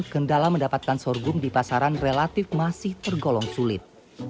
kendala mendapatkan sorghum di pasaran relatif masih tergolong sulit